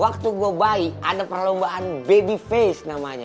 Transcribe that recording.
waktu gue bayi ada perlombaan baby face namanya